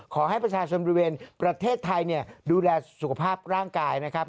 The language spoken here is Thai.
ขอให้ประชาชนบริเวณประเทศไทยดูแลสุขภาพร่างกายนะครับ